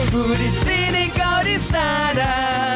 kudisini kau disana